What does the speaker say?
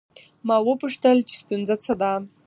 ما وپوښتل چې ستونزه څه ده؟